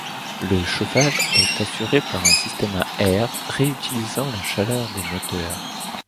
La chauffage est assuré par un système à air réutilisant la chaleur des moteurs.